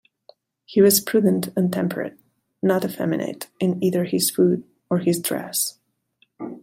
He was prudent and temperate, not effeminate in either his food or his dress.